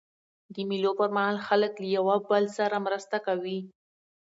د مېلو پر مهال خلک له یوه بل سره مرسته کوي.